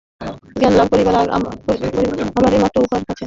জ্ঞানলাভ করিবার আমাদের একটি মাত্র উপায় আছে।